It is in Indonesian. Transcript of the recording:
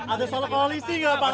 ada soal koalisi gak pak